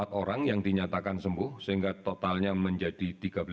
empat orang yang dinyatakan sembuh sehingga totalnya menjadi tiga belas